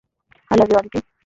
I love you, Aditi!